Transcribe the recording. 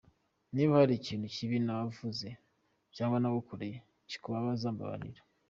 Niba hari ikintu kibi navuze cyangwa nagukoreye kikakubabaza, mbabarira.